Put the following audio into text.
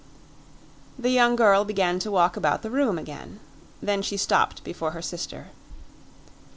The young girl began to walk about the room again; then she stopped before her sister.